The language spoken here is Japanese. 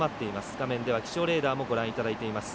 画面では気象レーダーもご覧いただいております。